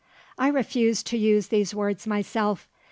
I refuse to use these words myself.